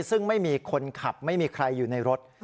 ซึ่งไม่มีคนขับไม่มีใครอยู่ในรถ